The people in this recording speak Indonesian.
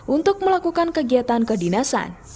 untuk melakukan kegiatan kedinasan